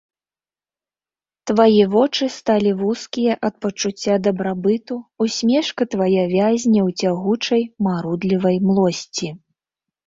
Твае вочы сталі вузкія ад пачуцця дабрабыту, усмешка твая вязне ў цягучай марудлівай млосці.